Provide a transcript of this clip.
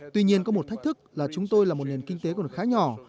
tuy nhiên có một thách thức là chúng tôi là một nền kinh tế còn khá nhỏ